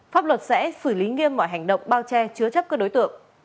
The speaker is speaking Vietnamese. pháp luật sẽ xử lý nghiêm mọi hành động bao che chứa chấp các đối tượng